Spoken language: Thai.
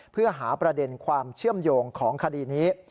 เพื่อหาประเด็นความเชื่อมโยงของคดีนี้